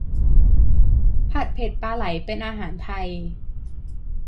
ผัดเผ็ดปลาไหลเป็นอาหารไทย